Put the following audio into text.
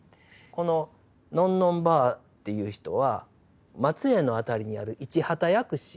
この「のんのんばあ」っていう人は松江の辺りにある一畑薬師。